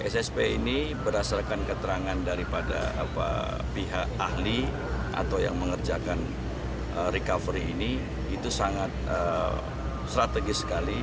ssp ini berdasarkan keterangan daripada pihak ahli atau yang mengerjakan recovery ini itu sangat strategis sekali